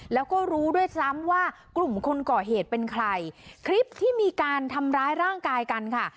แล้วก็รู้ด้วยซ้ำว่ากลุ่มคนก่อเหตุเป็นใครคลิปที่มีการทำร้ายร่างกายกันค่ะ